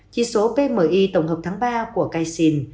trị số pmi tổng hợp tháng ba của caixin